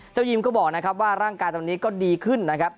ยีมก็บอกนะครับว่าร่างกายตอนนี้ก็ดีขึ้นนะครับ